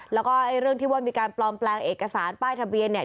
แล้วก็เรื่องที่ว่ามีการปลอมแปลงเอกสารป้ายทะเบียนเนี่ย